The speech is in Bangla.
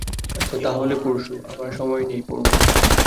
আচ্ছা, তা হলে পরশু, আমার সময় নেই– পূর্ণ।